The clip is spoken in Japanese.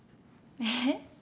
えっ？